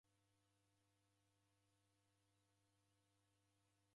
Juma idadu rasirie shwaw'ori.